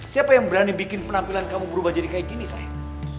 siapa yang berani bikin penampilan kamu berubah jadi kayak gini saya